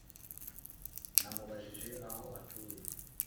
Namubajije aho atuye